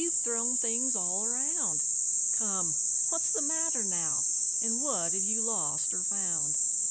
YOU'VE THROWN THINGS ALL AROUND!" Come, what's the matter now? and what 've you lost or found?